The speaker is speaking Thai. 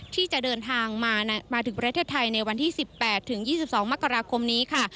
ที่จะเดินทางมาถึงประเทศไทยในวันที่๑๘ถึง๒๒มกราคมนี้ค่ะ